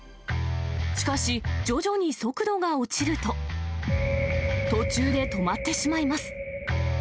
しかし、徐々に速度が落ちると、途中で止まってしまいます。